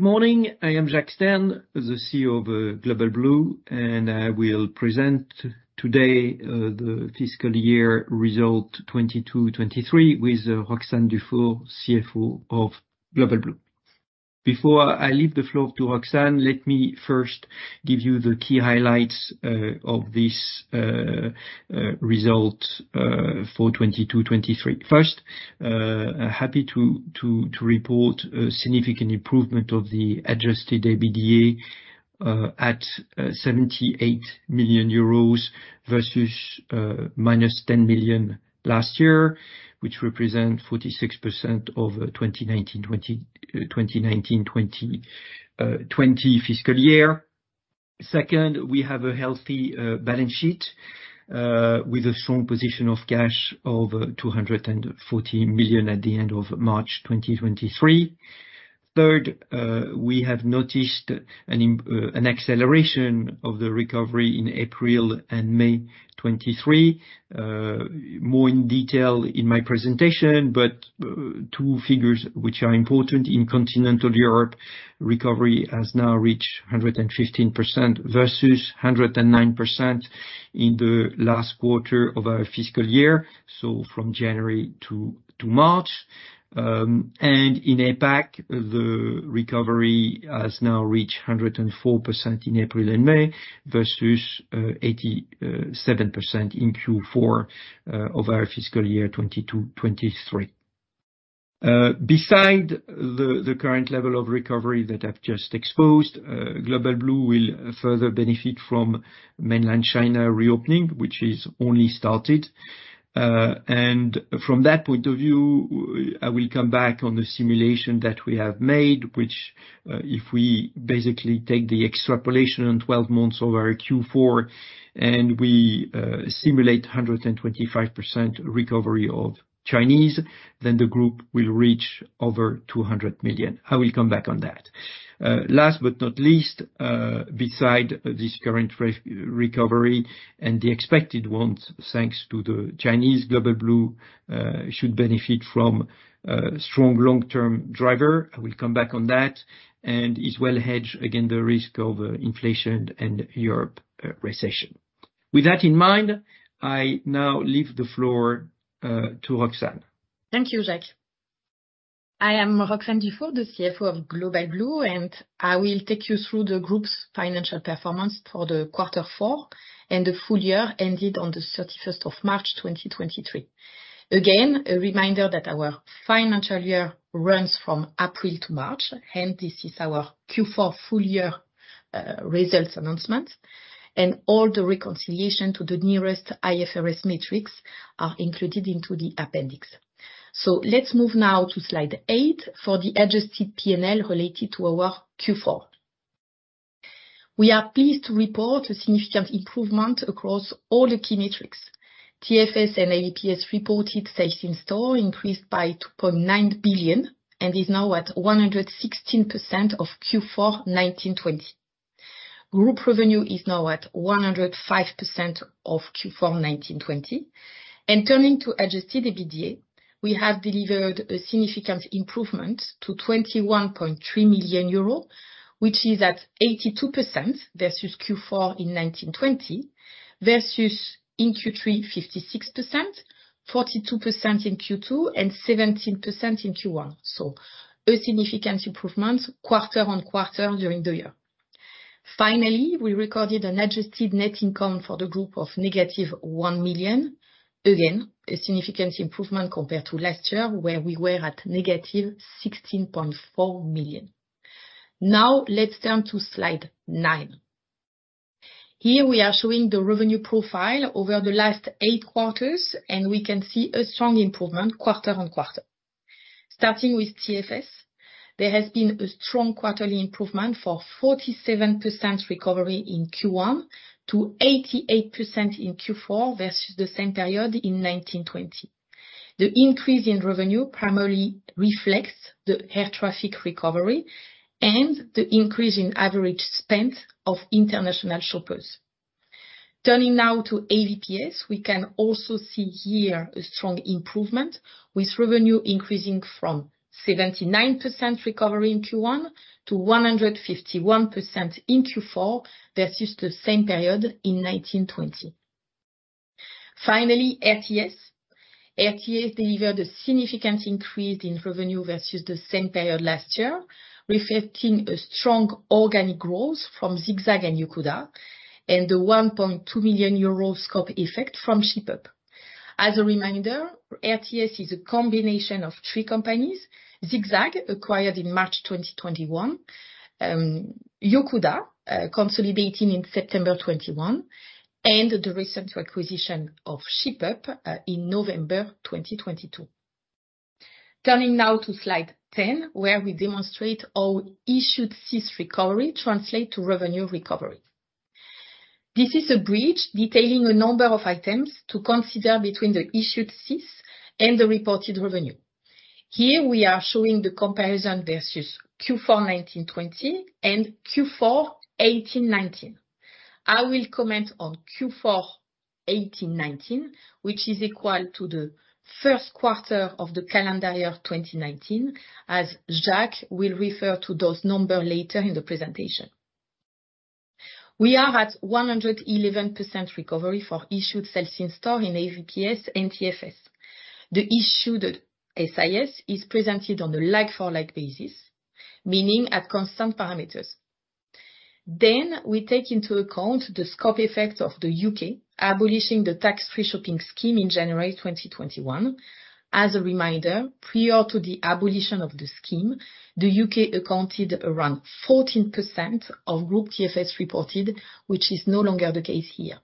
Good morning. I am Jacques Stern, the CEO of Global Blue, and I will present today the fiscal year result 2022, 2023, with Roxane Dufour, CFO of Global Blue. Before I leave the floor to Roxane, let me first give you the key highlights of this result for 2022, 2023. First, happy to report a significant improvement of the adjusted EBITDA at 78 million euros versus -10 million last year, which represent 46% of 2019, 2020 fiscal year. Second, we have a healthy balance sheet with a strong position of cash of 240 million at the end of March, 2023. Third, we have noticed an acceleration of the recovery in April and May 2023. More in detail in my presentation, but two figures which are important: In Continental Europe, recovery has now reached 115% versus 109% in the last quarter of our fiscal year, so from January to March. In APAC, the recovery has now reached 104% in April and May, versus 87% in Q4 of our fiscal year 2022, 2023. Beside the current level of recovery that I've just exposed, Global Blue will further benefit from Mainland China reopening, which is only started. From that point of view, I will come back on the simulation that we have made, which, if we basically take the extrapolation on 12 months over our Q4, and we simulate 125% recovery of Chinese, then the group will reach over 200 million. I will come back on that. Last but not least, beside this current recovery and the expected ones, thanks to the Chinese Global Blue, should benefit from strong long-term driver. I will come back on that, and is well hedged against the risk of inflation and Europe recession. With that in mind, I now leave the floor to Roxane. Thank you, Jacques. I am Roxane Dufour, the CFO of Global Blue, I will take you through the group's financial performance for the quarter four and the full year ended on the 31st of March, 2023. Again, a reminder that our financial year runs from April to March, this is our Q4 full year results announcement, all the reconciliation to the nearest IFRS metrics are included into the appendix. Let's move now to slide 8 for the adjusted P&L related to our Q4. We are pleased to report a significant improvement across all the key metrics. TFS and AVPS reported sales in-store increased by 2.9 billion and is now at 116% of Q4 2019-2020. Group revenue is now at 105% of Q4 2019-2020. Turning to adjusted EBITDA, we have delivered a significant improvement to 21.3 million euros, which is at 82% versus Q4 in 2019, 2020, versus in Q3, 56%, 42% in Q2, and 17% in Q1. A significant improvement quarter-on-quarter during the year. Finally, we recorded an adjusted net income for the group of negative 1 million. Again, a significant improvement compared to last year, where we were at negative 16.4 million. Let's turn to slide 9. Here, we are showing the revenue profile over the last eight quarters, and we can see a strong improvement quarter-on-quarter. Starting with TFS, there has been a strong quarterly improvement for 47% recovery in Q1 to 88% in Q4 versus the same period in 2019, 2020. The increase in revenue primarily reflects the air traffic recovery and the increase in average spend of international shoppers. Turning now to AVPS, we can also see here a strong improvement, with revenue increasing from 79% recovery in Q1 to 151% in Q4 versus the same period in 2019, 2020. RTS delivered a significant increase in revenue versus the same period last year, reflecting a strong organic growth from ZigZag and Yocuda, and the 1.2 million euro scope effect from Shipup. As a reminder, RTS is a combination of three companies: ZigZag, acquired in March 2021, Yocuda, consolidating in September 2021, and the recent acquisition of Shipup in November 2022. Turning now to slide 10, where we demonstrate how issued SIS recovery translate to revenue recovery. This is a bridge detailing a number of items to consider between the issued SIS and the reported revenue. Here, we are showing the comparison versus Q4 2019, 2020 and Q4 2018, 2019. I will comment on Q4 2018, 2019, which is equal to the first quarter of the calendar year 2019, as Jack will refer to those number later in the presentation. We are at 111% recovery for issued sales in-store in AVPS and TFS. The issued SIS is presented on a like-for-like basis, meaning at constant parameters. We take into account the scope effects of the UK abolishing the tax-free shopping scheme in January 2021. As a reminder, prior to the abolition of the scheme, the UK accounted around 14% of group TFS reported, which is no longer the case here.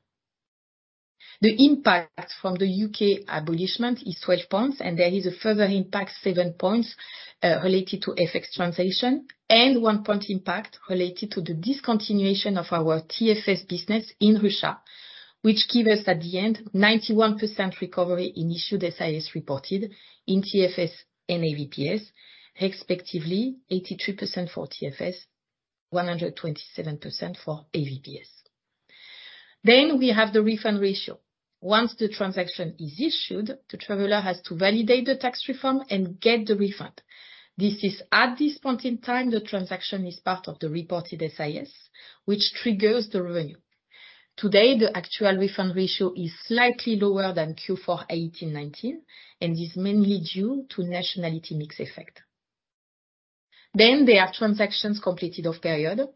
The impact from the UK abolishment is 12 points, and there is a further impact, 7 points, related to FX translation and 1 point impact related to the discontinuation of our TFS business in Russia, which give us, at the end, 91% recovery in issued SIS reported in TFS and AVPS, respectively, 83% for TFS, 127% for AVPS. We have the refund ratio. Once the transaction is issued, the traveler has to validate the Tax Free Form and get the refund. This is at this point in time, the transaction is part of the reported SIS, which triggers the revenue. Today, the actual refund ratio is slightly lower than Q4 2018, 2019, and is mainly due to nationality mix effect. There are transactions completed of period.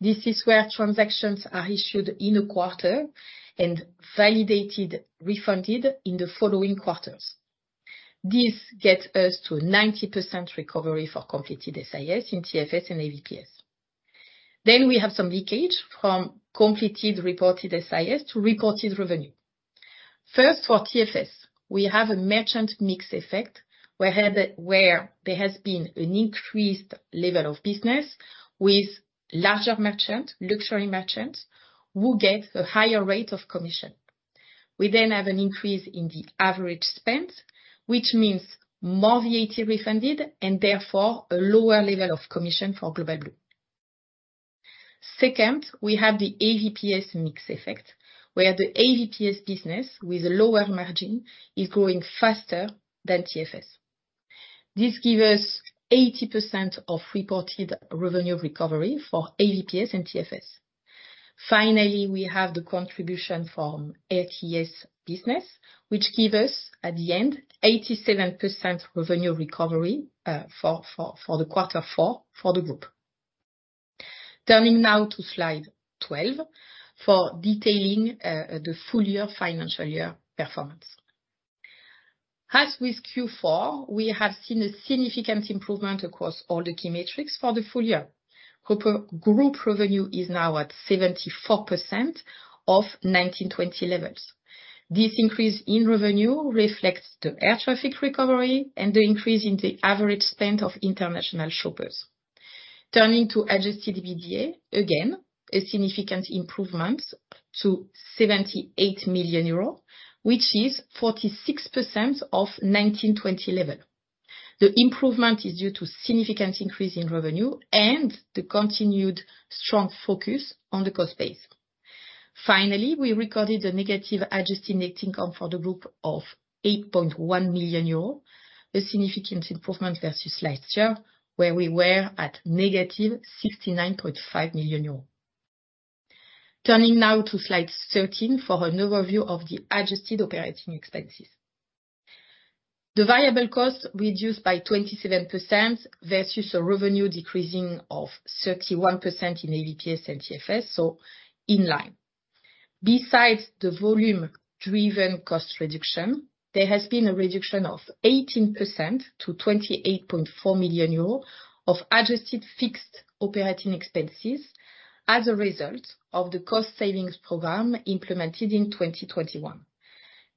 This is where transactions are issued in a quarter and validated, refunded in the following quarters. This gets us to 90% recovery for completed SIS in TFS and AVPS. We have some leakage from completed reported SIS to reported revenue. First, for TFS, we have a merchant mix effect, where there has been an increased level of business with larger merchant, luxury merchants, who get a higher rate of commission. We then have an increase in the average spend, which means more VAT refunded and therefore a lower level of commission for Global Blue. Second, we have the AVPS mix effect, where the AVPS business, with a lower margin, is growing faster than TFS. This give us 80% of reported revenue recovery for AVPS and TFS. Finally, we have the contribution from RTS business, which give us, at the end, 87% revenue recovery for the quarter four for the group. Turning now to slide 12 for detailing the full year financial year performance. As with Q4, we have seen a significant improvement across all the key metrics for the full year. Group revenue is now at 74% of 2019, 2020 levels. This increase in revenue reflects the air traffic recovery and the increase in the average spend of international shoppers. Turning to adjusted EBITDA, again, a significant improvement to 78 million euros, which is 46% of 2019, 2020 level. The improvement is due to significant increase in revenue and the continued strong focus on the cost base. Finally, we recorded a negative adjusted net income for the group of 8.1 million euro, a significant improvement versus last year, where we were at negative 69.5 million euro. Turning now to slide 13 for an overview of the adjusted operating expenses. The variable costs reduced by 27% versus a revenue decreasing of 31% in AVPS and TFS, so in line. Besides the volume-driven cost reduction, there has been a reduction of 18% to 28.4 million euros of adjusted fixed operating expenses as a result of the cost savings program implemented in 2021.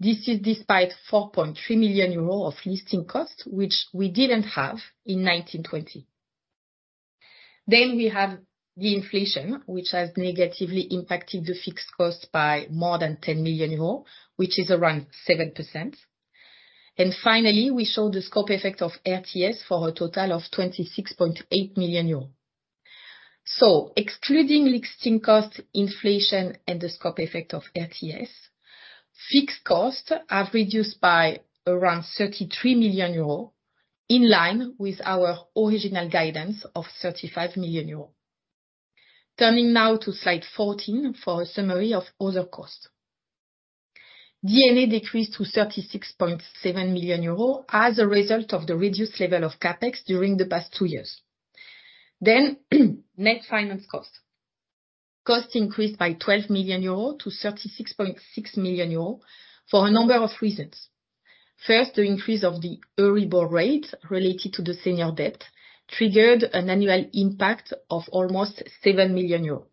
This is despite 4.3 million euros of listing costs, which we didn't have in 2019, 2020. We have the inflation, which has negatively impacted the fixed costs by more than 10 million euros, which is around 7%. Finally, we show the scope effect of RTS for a total of 26.8 million euros. Excluding listing costs, inflation, and the scope effect of RTS, fixed costs have reduced by around 33 million euro, in line with our original guidance of 35 million euro. Turning now to slide 14 for a summary of other costs. D&A decreased to 36.7 million euros as a result of the reduced level of CapEx during the past 2 years. Net finance cost. Cost increased by 12 million euro to 36.6 million euro for a number of reasons. First, the increase of the Euribor rate related to the senior debt triggered an annual impact of almost 7 million euros.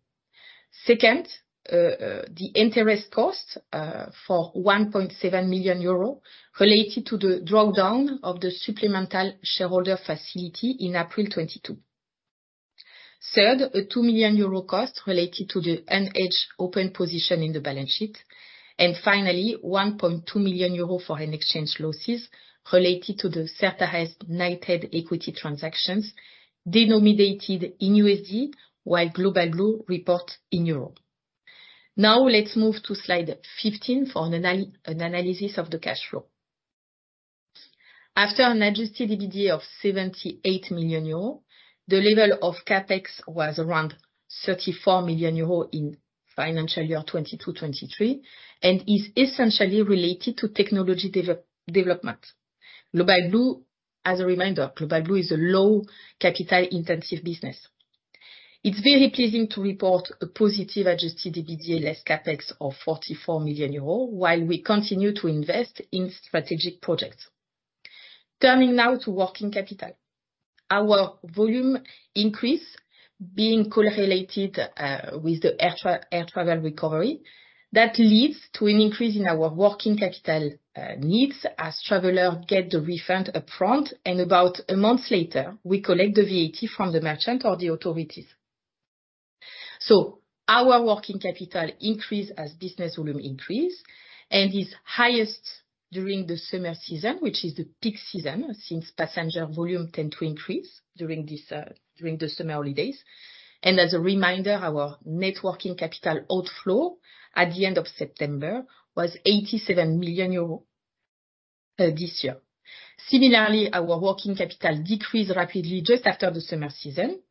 Second, the interest cost for 1.7 million euros related to the drawdown of the Supplemental Liquidity Facility in April 2022. Third, a 2 million euro cost related to the unhedged open position in the balance sheet. Finally, 1.2 million euro for an exchange losses related to the Certares equity transactions denominated in USD, while Global Blue reports in Euro. Now, let's move to slide 15 for an analysis of the cash flow. After an adjusted EBITDA of 78 million euro, the level of CapEx was around 34 million euro in financial year 2022, 2023, and is essentially related to technology development. Global Blue, as a reminder, Global Blue is a low capital intensive business. It's very pleasing to report a positive adjusted EBITDA less CapEx of 44 million euros, while we continue to invest in strategic projects. Coming now to working capital. Our volume increase being correlated with the air travel recovery, that leads to an increase in our working capital needs as traveler get the refund upfront, and about a month later, we collect the VAT from the merchant or the authorities. Our working capital increase as business volume increase, and is highest during the summer season, which is the peak season, since passenger volume tend to increase during this during the summer holidays. As a reminder, our net working capital outflow at the end of September was 87 million euros this year. Similarly, our working capital decreased rapidly just after the summer season,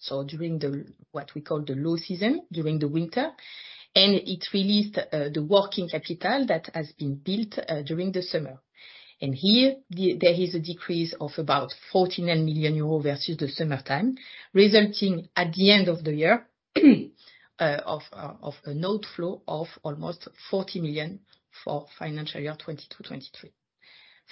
so during the, what we call the low season, during the winter, and it released the working capital that has been built during the summer. Here, the, there is a decrease of about 49 million euros versus the summertime, resulting at the end of the year, of a net flow of almost 40 million for financial year 2022,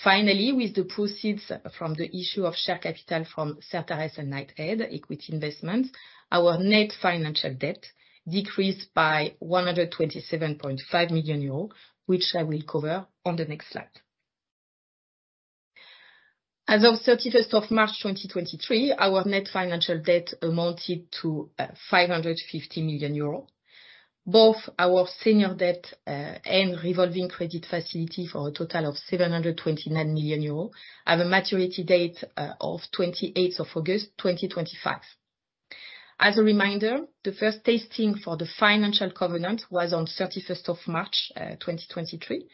2023. With the proceeds from the issue of share capital from Certares and Knighthead equity investments, our net financial debt decreased by 127.5 million euros, which I will cover on the next slide. As of March 31, 2023, our net financial debt amounted to 550 million euros. Both our senior debt and revolving credit facility, for a total of 729 million euros, have a maturity date of August 28, 2025. As a reminder, the first testing for the financial covenant was on March 31, 2023,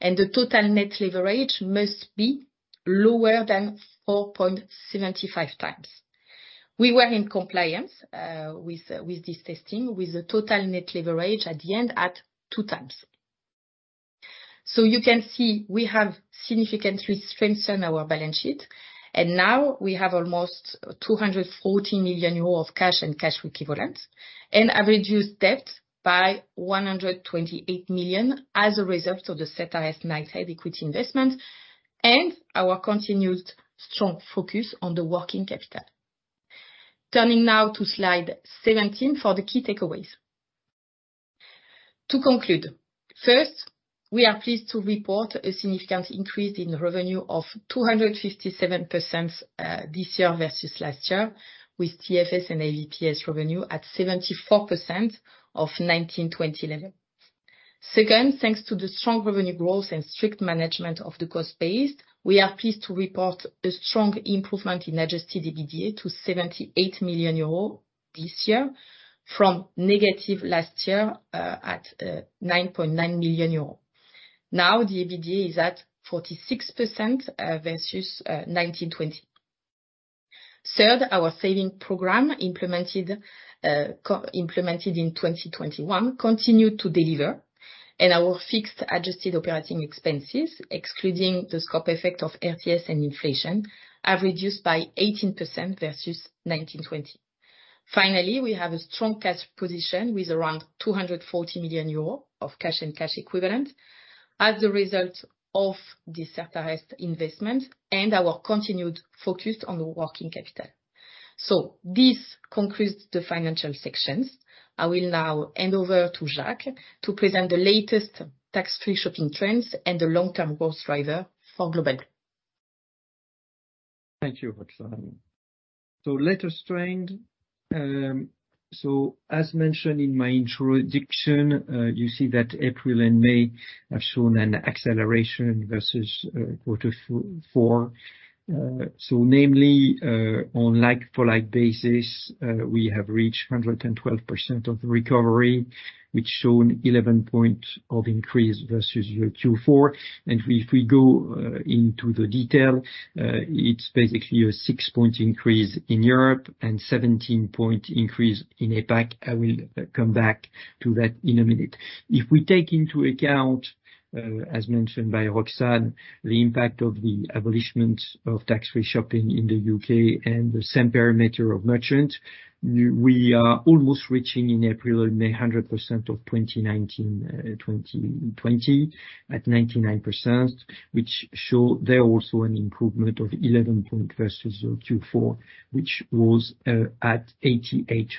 the total net leverage must be lower than 4.75 times. We were in compliance with this testing, with the total net leverage at the end at two times. You can see we have significantly strengthened our balance sheet, and now we have almost 240 million euros of cash and cash equivalents, and have reduced debt by 128 million as a result of the Certares Knighthead equity investment, and our continued strong focus on the working capital. Turning now to slide 17 for the key takeaways. To conclude, first, we are pleased to report a significant increase in revenue of 257% this year versus last year, with TFS and AVPS revenue at 74% of 1920 level. Thanks to the strong revenue growth and strict management of the cost base, we are pleased to report a strong improvement in adjusted EBITDA to 78 million euros this year, from negative last year, at 9.9 million euros. The EBITDA is at 46% versus 1920. Third, our saving program, implemented, co-implemented in 2021, continued to deliver, and our fixed adjusted operating expenses, excluding the scope effect of RTS and inflation, have reduced by 18% versus 1920. We have a strong cash position with around 240 million euro of cash and cash equivalent as a result of the Certares investment and our continued focus on the working capital. This concludes the financial sections. I will now hand over to Jacques to present the latest tax-free shopping trends and the long-term growth driver for Global Blue. Thank you, Roxane. Latest trend, as mentioned in my introduction, you see that April and May have shown an acceleration versus quarter four. Namely, on a like-for-like basis, we have reached 112% of the recovery, which shown 11-point increase versus Q4. If we go into the detail, it's basically a 6-point increase in Europe and 17-point increase in APAC. I will come back to that in a minute. If we take into account, as mentioned by Roxane, the impact of the abolishment of tax-free shopping in the UK and the same parameter of merchant, we are almost reaching in April and May, 100% of 2019, 2020, at 99%, which show there also an improvement of 11 points versus Q4, which was at 88%.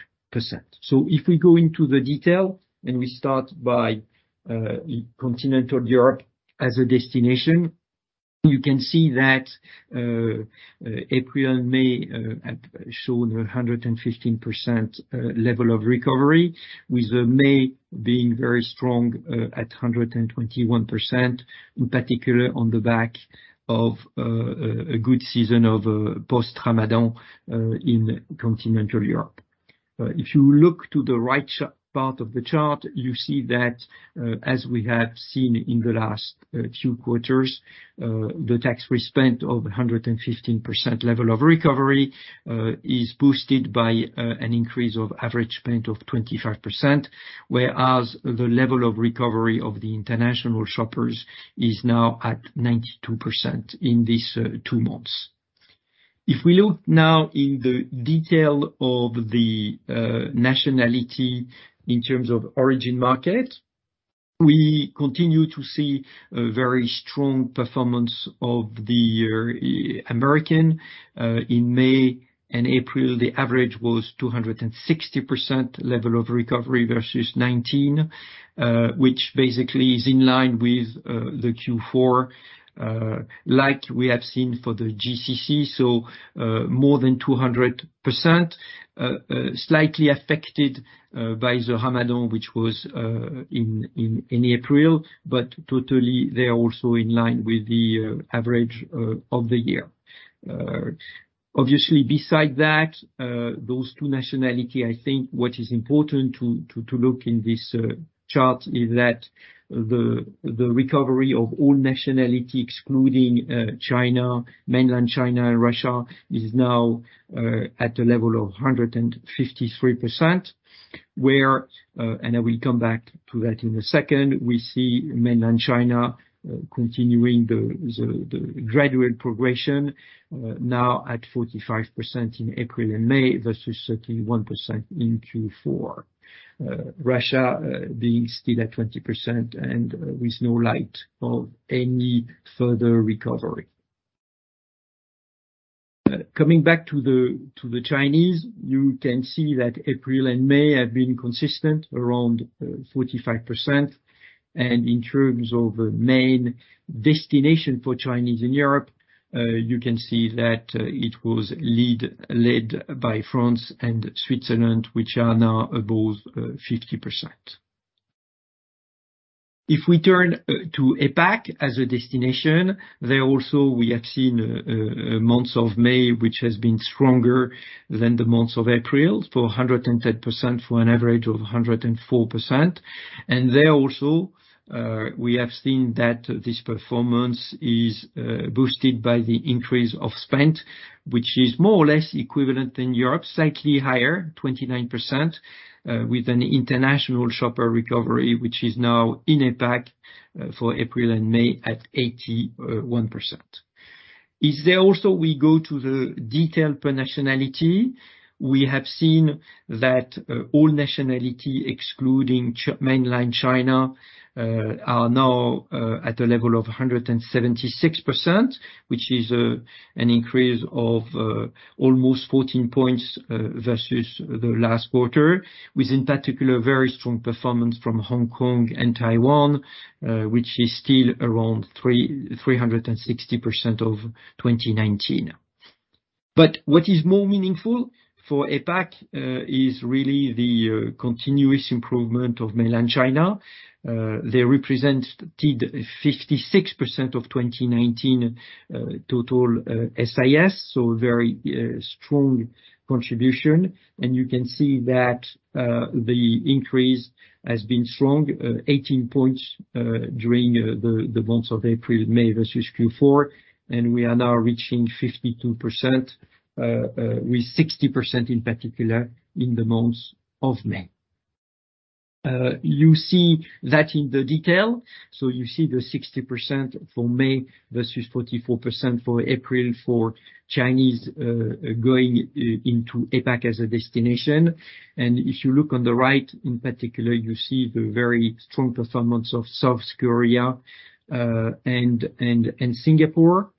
If we go into the detail and we start by continental Europe as a destination, you can see that April and May have shown a 115% level of recovery, with May being very strong at 121%, in particular, on the back of a good season of post-Ramadan in continental Europe. If you look to the right part of the chart, you see that as we have seen in the last two quarters, the tax we spent of 115% level of recovery is boosted by an increase of average spend of 25%, whereas the level of recovery of the international shoppers is now at 92% in these two months. If we look now in the detail of the nationality in terms of origin market, we continue to see a very strong performance of the American. In May and April, the average was 260% level of recovery versus 2019, which basically is in line with the Q4 like we have seen for the GCC. More than 200%, slightly affected by the Ramadan, which was in April, but totally, they are also in line with the average of the year. Obviously, beside that, those two nationality, I think what is important to look in this chart is that the recovery of all nationality, excluding mainland China and Russia, is now at a level of 153%, where, and I will come back to that in a second. We see mainland China continuing the gradual progression, now at 45% in April and May versus 31% in Q4. Russia being still at 20%, and with no light of any further recovery. Coming back to the, to the Chinese, you can see that April and May have been consistent, around 45%. In terms of main destination for Chinese in Europe, you can see that it was lead, led by France and Switzerland, which are now above 50%. If we turn to APAC as a destination, there also we have seen months of May, which has been stronger than the months of April, for 110% for an average of 104%. There also we have seen that this performance is boosted by the increase of spent, which is more or less equivalent in Europe, slightly higher, 29%, with an international shopper recovery, which is now in APAC, for April and May at 81%. If there also we go to the detail per nationality, we have seen that all nationality, excluding mainland China, are now at a level of 176%, which is an increase of almost 14 points versus the last quarter, with, in particular, very strong performance from Hong Kong and Taiwan, which is still around 360% of 2019. What is more meaningful for APAC is really the continuous improvement of mainland China. They represented 56% of 2019 total SIS, so very strong contribution. You can see that the increase has been strong, 18 points during the months of April, May versus Q4, and we are now reaching 52% with 60% in particular in the month of May. You see that in the detail. You see the 60% for May versus 44% for April for Chinese going into APAC as a destination. If you look on the right, in particular, you see the very strong performance of South Korea and Singapore,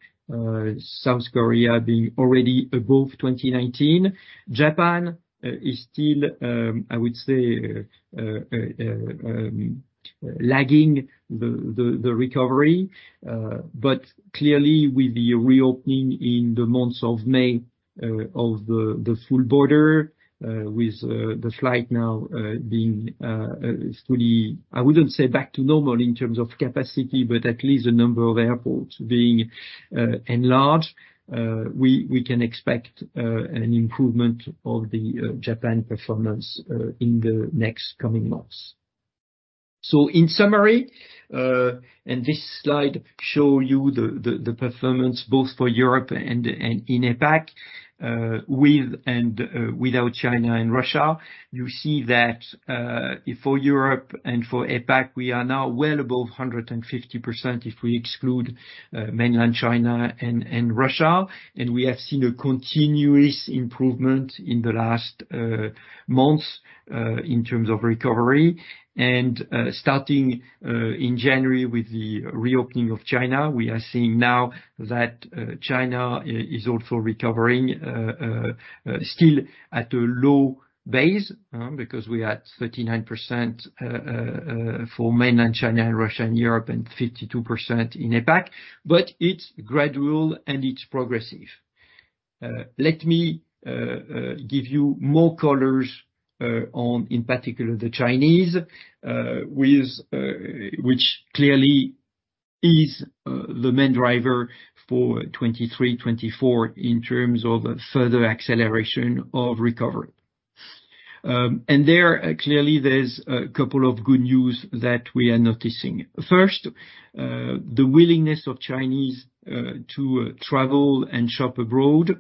South Korea being already above 2019. Japan is still, I would say, lagging the recovery, but clearly with the reopening in the months of May of the full border with the flight now being fully... I wouldn't say back to normal in terms of capacity, but at least the number of airports being enlarged, we can expect an improvement of the Japan performance in the next coming months. In summary, and this slide show you the performance both for Europe and in APAC, with and without China and Russia. You see that for Europe and for APAC, we are now well above 150% if we exclude mainland China and Russia. We have seen a continuous improvement in the last months in terms of recovery. Starting in January with the reopening of China, we are seeing now that China is also recovering, still at a low base, because we're at 39% for mainland China and Russia and Europe, and 52% in APAC, but it's gradual and it's progressive. Let me give you more colors on, in particular, the Chinese, which clearly is the main driver for 2023, 2024 in terms of further acceleration of recovery. There, clearly, there's a couple of good news that we are noticing. First, the willingness of Chinese to travel and shop abroad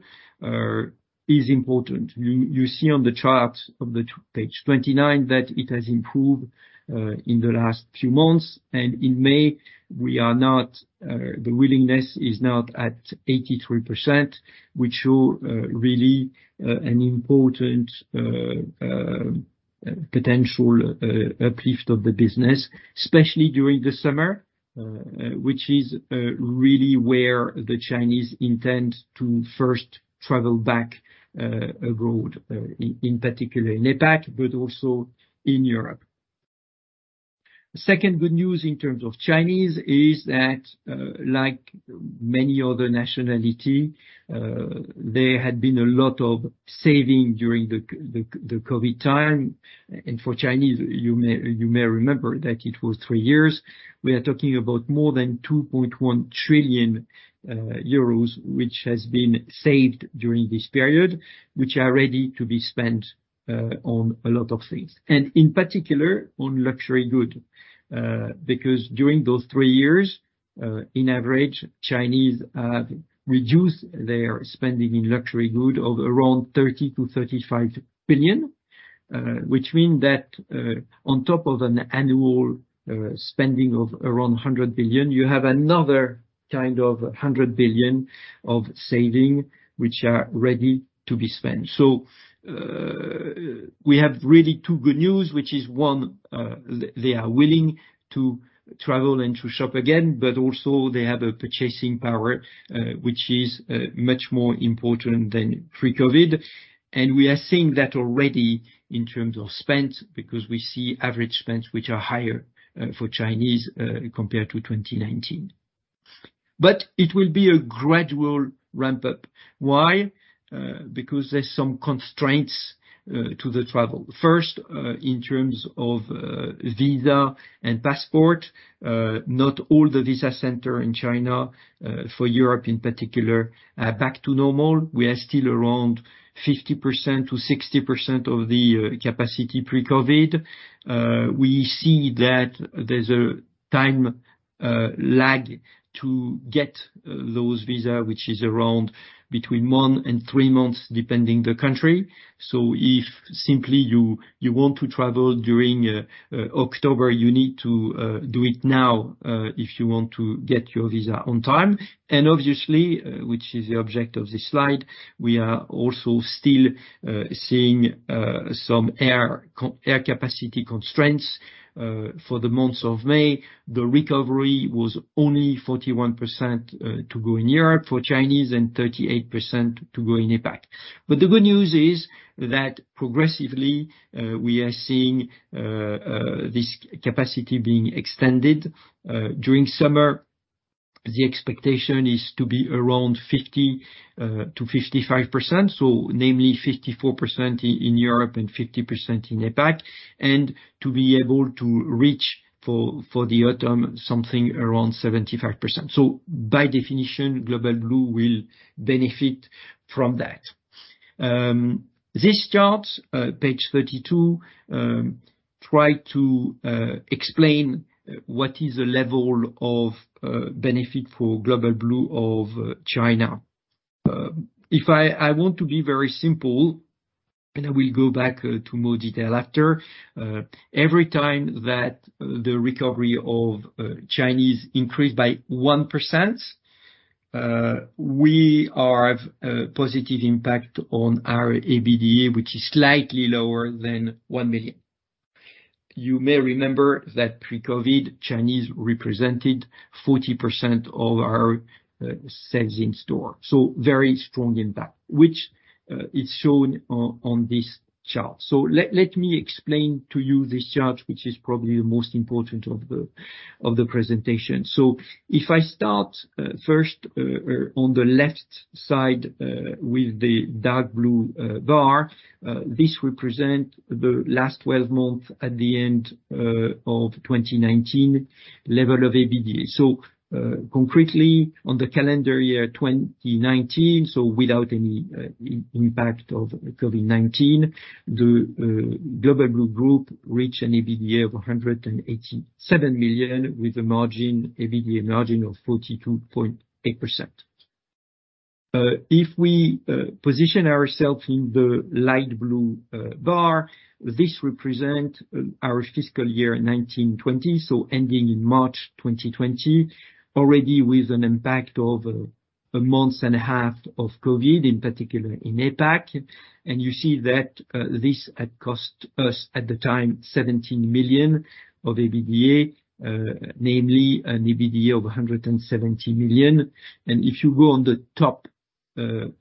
is important. You see on the charts of the page 29 that it has improved in the last few months, and in May, we are not, the willingness is now at 83%, which show really an important potential uplift of the business, especially during the summer, which is really where the Chinese intend to first travel back abroad in particular in APAC, but also in Europe. The second good news in terms of Chinese is that like many other nationality, there had been a lot of saving during the COVID-19 time, and for Chinese, you may remember that it was 3 years. We are talking about more than 2.1 trillion euros, which has been saved during this period, which are ready to be spent on a lot of things, and in particular, on luxury good. Because during those three years, in average, Chinese have reduced their spending in luxury good of around 30 billion-35 billion, which mean that on top of an annual spending of around 100 billion, you have another kind of 100 billion of saving, which are ready to be spent. We have really two good news, which is, one, they are willing to travel and to shop again, but also they have a purchasing power, which is much more important than pre-COVID. We are seeing that already in terms of spend, because we see average spends which are higher for Chinese compared to 2019. It will be a gradual ramp up. Why? Because there's some constraints to the travel. First, in terms of visa and passport, not all the visa center in China, for Europe, in particular, are back to normal. We are still around 50%-60% of the capacity pre-COVID-19. We see that there's a time lag to get those visa, which is around between 1-3 months, depending the country. If simply you want to travel during October, you need to do it now if you want to get your visa on time. Obviously, which is the object of this slide, we are also still seeing some air capacity constraints for the months of May. The recovery was only 41% to go in Europe for Chinese, and 38% to go in APAC. The good news is that progressively, we are seeing this capacity being extended. During summer, the expectation is to be around 50%-55%, so namely 54% in Europe and 50% in APAC, and to be able to reach for the autumn, something around 75%. By definition, Global Blue will benefit from that. This chart, page 32, try to explain what is the level of benefit for Global Blue of China. If I want to be very simple, and I will go back to more detail after. Every time that the recovery of Chinese increase by 1%, we are have a positive impact on our EBITDA, which is slightly lower than 1 million. You may remember that pre-COVID-19, Chinese represented 40% of our sales in store, so very strong impact, which is shown on this chart. Let me explain to you this chart, which is probably the most important of the presentation. If I start first on the left side, with the dark blue bar, this represent the last 12 months at the end of 2019 level of EBITDA. Concretely, on the calendar year 2019, without any impact of COVID-19, the Global Blue Group reached an EBITDA of 187 million, with a margin, EBITDA margin of 42.8%. If we position ourselves in the light blue bar, this represent our fiscal year 2020, so ending in March 2020, already with an impact of 1.5 months of COVID-19, in particular in APAC. You see that this had cost us, at the time, 17 million of EBITDA, namely an EBITDA of 170 million. If you go on the top of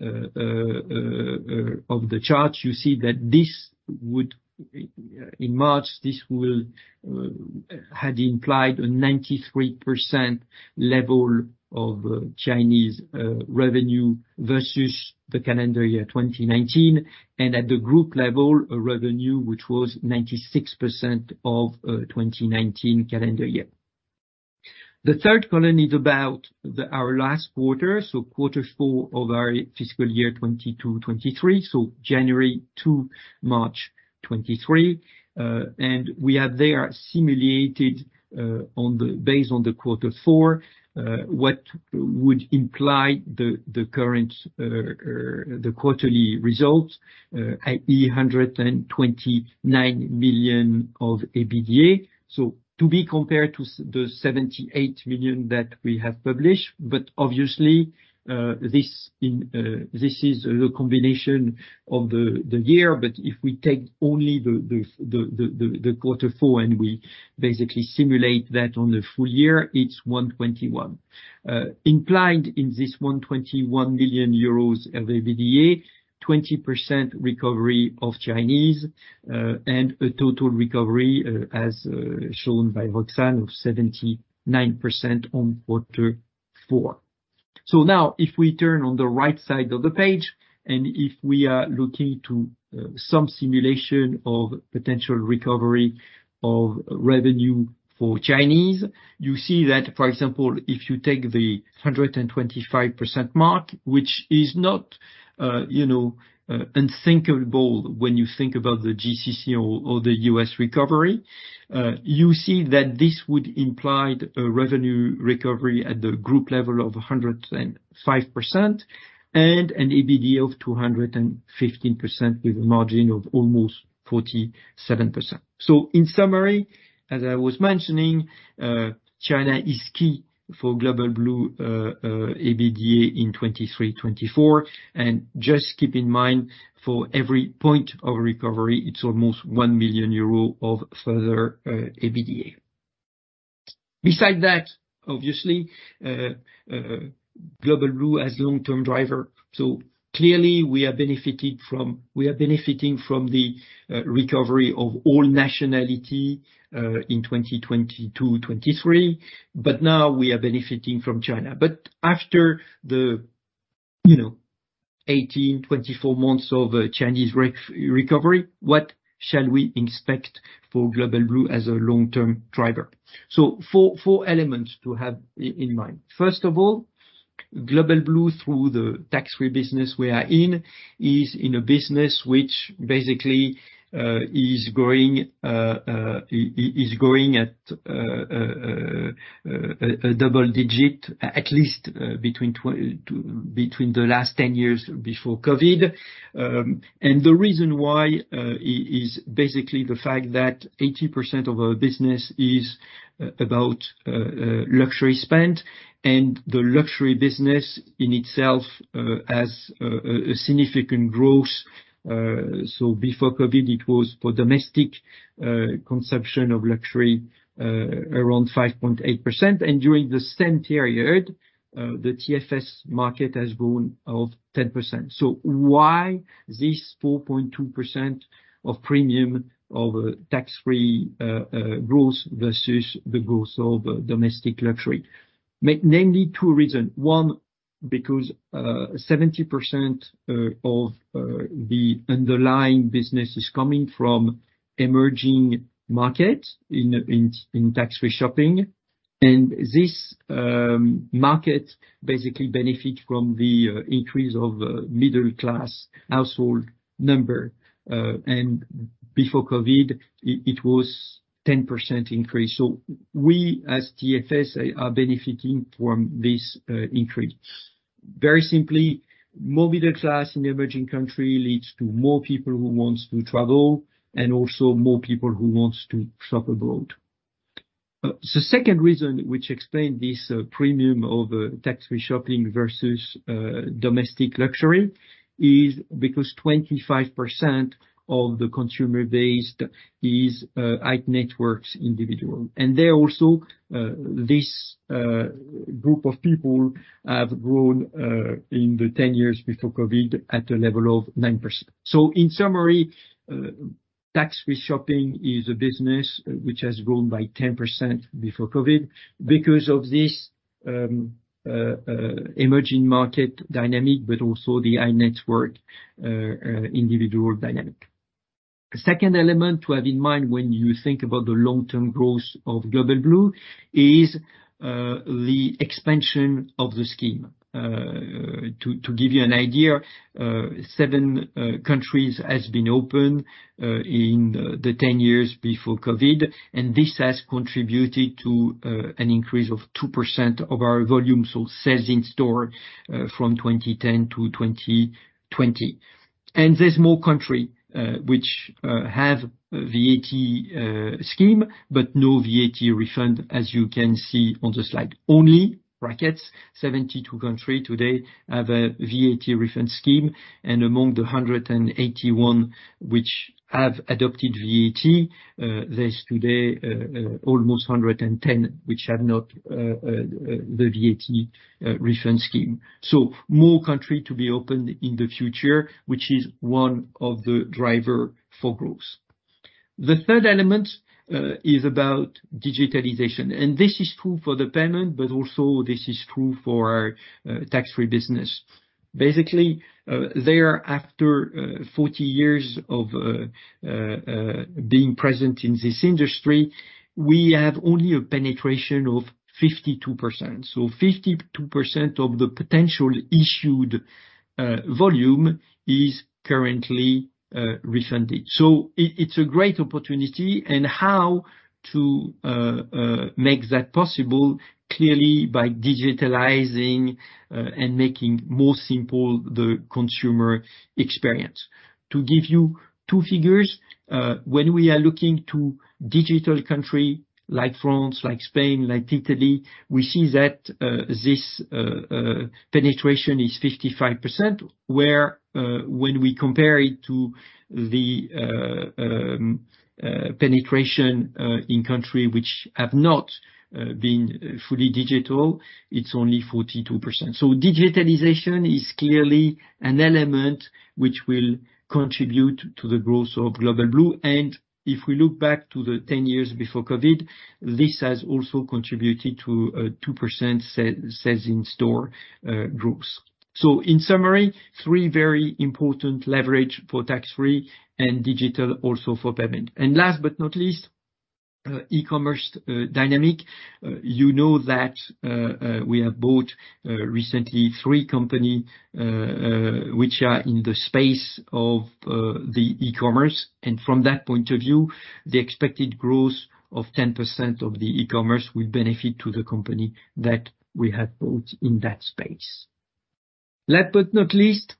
the chart, you see that this would... In March, this will had implied a 93% level of Chinese revenue versus the calendar year 2019. At the group level, a revenue which was 96% of 2019 calendar year. The third column is about the, our last quarter, so quarter four of our fiscal year 2022-2023, so January to March 2023. We have there simulated, based on the quarter four, what would imply the current the quarterly results, i.e., 129 million of EBITDA. To be compared to the 78 million that we have published. Obviously, this in this is the combination of the year. If we take only the quarter four, and we basically simulate that on the full year, it's 121 million. Implied in this 121 million euros of EBITDA, 20% recovery of Chinese, and a total recovery, as shown by Roxane, of 79% on Q4. Now, if we turn on the right side of the page, and if we are looking to some simulation of potential recovery of revenue for Chinese, you see that, for example, if you take the 125% mark, which is not, you know, unthinkable when you think about the GCC or the U.S. recovery, you see that this would imply a revenue recovery at the group level of 105% and an EBITDA of 215%, with a margin of almost 47%. In summary, as I was mentioning, China is key for Global Blue EBITDA in 2023, 2024. Just keep in mind, for every point of recovery, it's almost 1 million euro of further EBITDA. Besides that, obviously, Global Blue has long-term driver. Clearly, we are benefiting from the recovery of all nationality in 2022, 2023, but now we are benefiting from China. After the, you know, 18, 24 months of Chinese re-recovery, what shall we expect for Global Blue as a long-term driver? Four elements to have in mind. First of all, Global Blue, through the tax-free business we are in, is in a business which basically is growing at a double digit, at least, between the last 10 years before COVID-19. The reason why is basically the fact that 80% of our business is about luxury spend, and the luxury business in itself has a significant growth. Before COVID-19, it was for domestic consumption of luxury around 5.8%, and during the same period, the TFS market has grown of 10%. Why this 4.2% of premium of tax-free growth versus the growth of domestic luxury? Mainly two reasons. One, because 70% of the underlying business is coming from emerging markets in tax-free shopping, and this market basically benefit from the increase of middle-class household number. Before COVID-19, it was 10% increase. We, as TFS, are benefiting from this increase. Very simply, more middle class in the emerging country leads to more people who wants to travel and also more people who wants to shop abroad. The second reason which explained this premium of tax-free shopping versus domestic luxury is because 25% of the consumer base is high net worth individual. They also, this group of people have grown in the 10 years before COVID-19 at a level of 9%. In summary, tax-free shopping is a business which has grown by 10% before COVID-19 because of this emerging market dynamic, but also the high net worth individual dynamic. The second element to have in mind when you think about the long-term growth of Global Blue is the expansion of the scheme. To give you an idea, 7 countries have been open in the 10 years before COVID-19, and this has contributed to an increase of 2% of our volume, so sales in store, from 2010 to 2020. There's more country which have VAT scheme, but no VAT refund, as you can see on the slide. Only 72 country today have a VAT refund scheme, and among the 181 which have adopted VAT, there's today almost 110 which have not the VAT refund scheme. So more country to be opened in the future, which is one of the driver for growth. The third element is about digitalization, and this is true for the payment, but also this is true for our tax-free business. There after 40 years of being present in this industry, we have only a penetration of 52%. 52% of the potential issued volume is currently refunded. It's a great opportunity. How to make that possible? Clearly, by digitalizing and making more simple the consumer experience. To give you two figures, when we are looking to digital country like France, like Spain, like Italy, we see that this penetration is 55%, where when we compare it to the penetration in country which have not been fully digital, it's only 42%. Digitalization is clearly an element which will contribute to the growth of Global Blue. If we look back to the 10 years before COVID-19, this has also contributed to 2% sales in store growth. In summary, three very important leverage for tax-free and digital also for payment. Last but not least, e-commerce dynamic. You know that we have bought recently 3 company which are in the space of the e-commerce, and from that point of view, the expected growth of 10% of the e-commerce will benefit to the company that we have built in that space. Last but not least,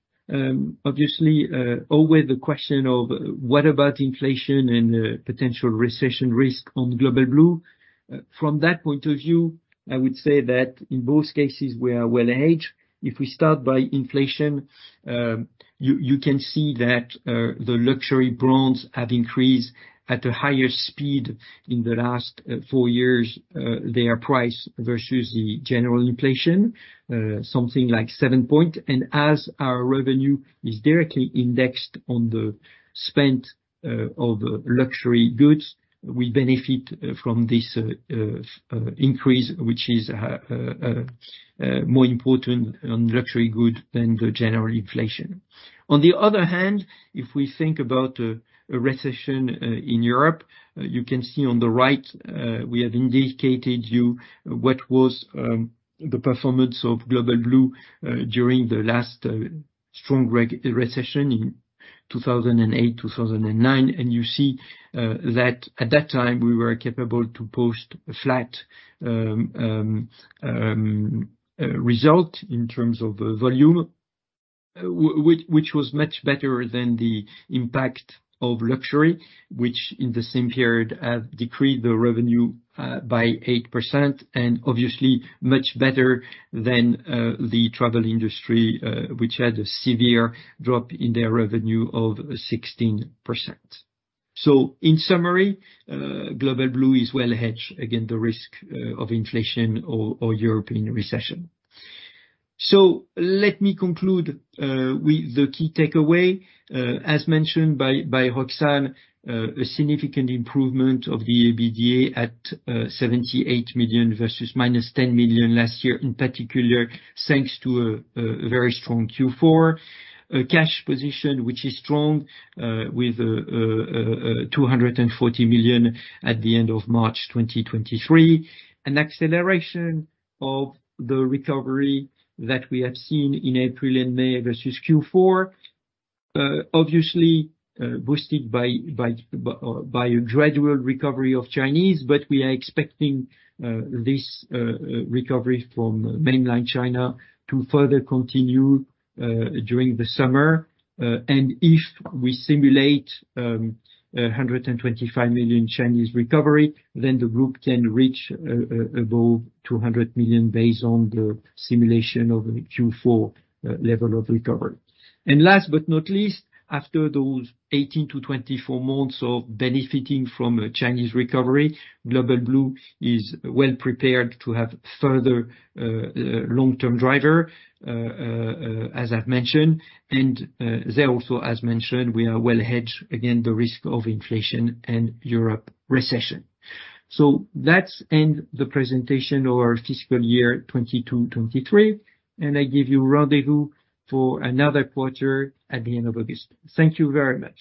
obviously, always the question of what about inflation and potential recession risk on Global Blue? From that point of view, I would say that in both cases, we are well hedged. If we start by inflation, you can see that the luxury brands have increased at a higher speed in the last four years, their price versus the general inflation, something like seven point. As our revenue is directly indexed on the spent of luxury goods, we benefit from this increase, which is more important on luxury goods than the general inflation. On the other hand, if we think about a recession in Europe, you can see on the right, we have indicated you what was the performance of Global Blue during the last strong recession in 2008, 2009. You see, that at that time, we were capable to post a flat result in terms of volume, which was much better than the impact of luxury, which in the same period, decreased the revenue by 8%, and obviously much better than the travel industry, which had a severe drop in their revenue of 16%. In summary, Global Blue is well hedged against the risk of inflation or European recession. Let me conclude with the key takeaway. As mentioned by Roxane, a significant improvement of the EBITDA at 78 million versus minus 10 million last year, in particular, thanks to a very strong Q4. A cash position, which is strong, with 240 million at the end of March 2023. An acceleration of the recovery that we have seen in April and May versus Q4. Obviously, boosted by a gradual recovery of Chinese, but we are expecting this recovery from mainland China to further continue during the summer. If we simulate 125 million Chinese recovery, then the group can reach above 200 million, based on the simulation of Q4 level of recovery. Last but not least, after those 18-24 months of benefiting from a Chinese recovery, Global Blue is well prepared to have further long-term driver as I've mentioned. There also, as mentioned, we are well hedged against the risk of inflation and Europe recession. That's end the presentation of our fiscal year 2022-2023, and I give you rendezvous for another quarter at the end of August. Thank you very much.